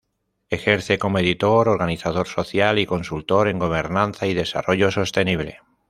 Ejerce como editor, organizador social y consultor en gobernanza y desarrollo sostenible.